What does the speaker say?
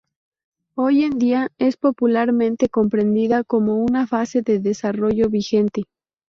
Hoy en día es popularmente comprendida como una fase de desarrollo vigente.